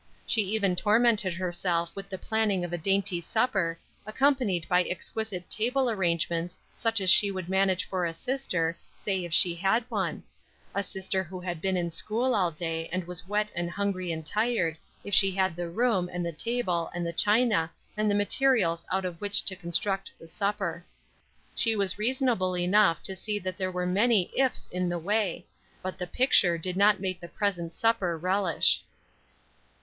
She even tormented herself with the planning of a dainty supper, accompanied by exquisite table arrangements such as she would manage for a sister, say, if she had one a sister who had been in school all day and was wet and hungry and tired, if she had the room, and the table, and the china, and the materials out of which to construct the supper. She was reasonable enough to see that there were many ifs in the way, but the picture did not make the present supper relish.